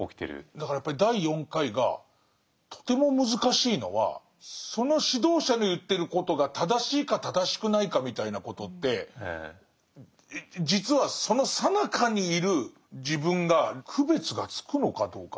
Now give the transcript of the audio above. だからやっぱり第４回がとても難しいのはその指導者の言ってることが正しいか正しくないかみたいなことって実はそのさなかにいる自分が区別がつくのかどうか。